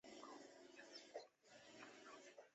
圣博利兹人口变化图示